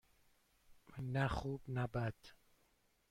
نه خوب - نه بد.